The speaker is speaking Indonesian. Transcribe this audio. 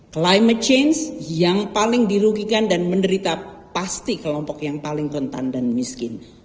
climate change yang paling dirugikan dan menderita pasti kelompok yang paling rentan dan miskin